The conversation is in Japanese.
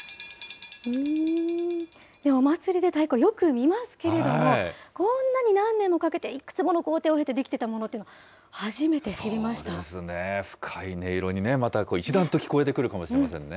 お祭りで太鼓、よく見ますけれども、こんなに何年もかけて、いくつもの工程を経て出来ていたものというのは、初めて知りましそうですね、深い音色に一段と聞こえてくるかもしれませんね。